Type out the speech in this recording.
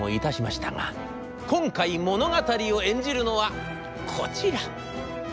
今回物語を演じるのはこちら。